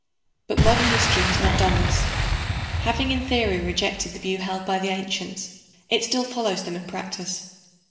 But modern history has not done this. Having in theory rejected the view held by the ancients, it still follows them in practice.